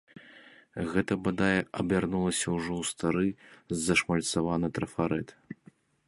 Гэта бадай абярнулася ўжо ў стары зашмальцаваны трафарэт.